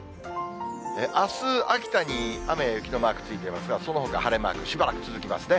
あす、秋田に雨や雪のマークついてますが、そのほかは晴れマーク、しばらく続きますね。